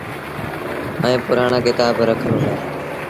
ائيٚݩ پُرآڻآ ڪتآب با رکل هُݩدآ۔